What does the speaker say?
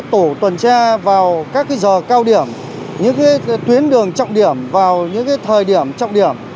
tổ tuần tra vào các giờ cao điểm những tuyến đường trọng điểm vào những thời điểm trọng điểm